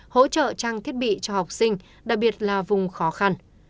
hỗ trợ trang thiết bị cho học sinh đặc biệt là vùng khó khăn